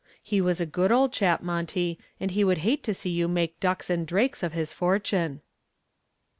He was a good old chap, Monty, and he would hate to see you make ducks and drakes of his fortune."